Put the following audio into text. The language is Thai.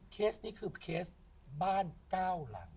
เคสนี้คือเคสบ้าน๙หลัง